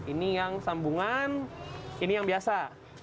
ini yang sambungan ini yang biasa